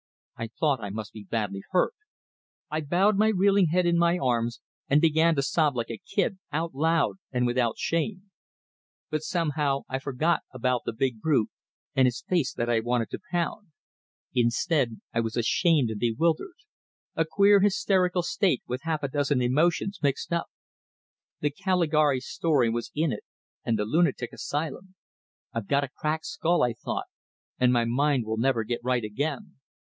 I thought I must be badly hurt; I bowed my reeling head in my arms, and began to sob like a kid, out loud, and without shame. But somehow I forgot about the big brute, and his face that I wanted to pound; instead, I was ashamed and bewildered, a queer hysterical state with a half dozen emotions mixed up. The Caligari story was in it, and the lunatic asylum; I've got a cracked skull, I thought, and my mind will never get right again!